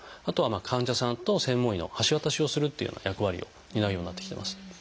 あとは患者さんと専門医の橋渡しをするというような役割を担うようになってきてます。